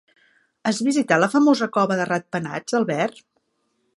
Has visitat la famosa cova de ratpenats, Albert?